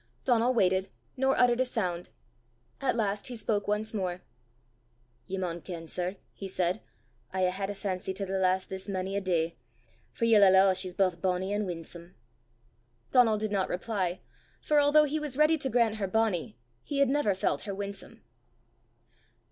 Donal waited, nor uttered a sound. At last he spoke once more. "Ye maun ken, sir," he said, "I hae had a fancy to the lass this mony a day; for ye'll alloo she's baith bonnie an' winsome!" Donal did not reply, for although he was ready to grant her bonnie, he had never felt her winsome.